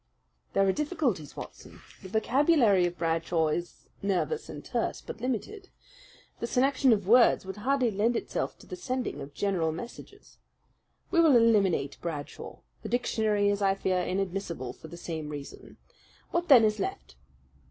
"There are difficulties, Watson. The vocabulary of Bradshaw is nervous and terse, but limited. The selection of words would hardly lend itself to the sending of general messages. We will eliminate Bradshaw. The dictionary is, I fear, inadmissible for the same reason. What then is left?"